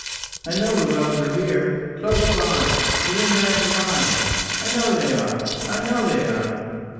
"I know the wells are here close by within half a mile. I know they are I know they are."